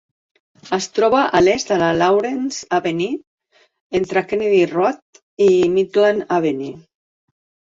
Es troba a l'est de la Lawrence Avenue entre Kennedy Road i Midland Avenue.